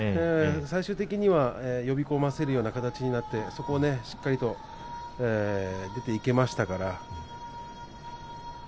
最終的には呼び込ませる形になってそこをしっかりと出ていけましたから。